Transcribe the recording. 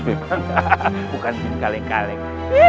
bukan jin kaleng kaleng